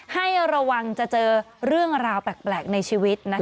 ให้ระวังจะเจอเรื่องราวแปลกในชีวิต